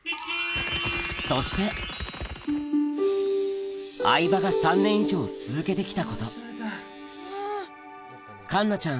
そして相葉が３年以上続けて来たこと環奈ちゃん